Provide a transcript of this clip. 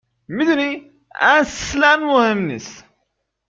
میدونی، اصلا مهم نیست